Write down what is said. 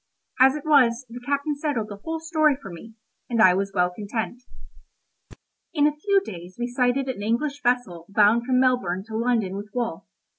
As it was, the captain settled the whole story for me, and I was well content. In a few days we sighted an English vessel bound from Melbourne to London with wool.